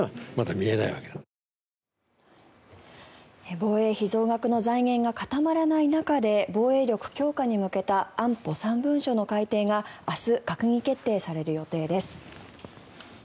防衛費増額の財源が固まらない中で防衛力強化に向けた安保３文書の改定が明日、閣議決定される予定です。